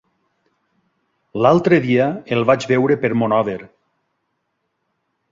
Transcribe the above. L'altre dia el vaig veure per Monòver.